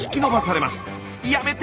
「やめて！